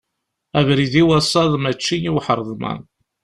Abrid i wasaḍ mačči i uḥreḍman.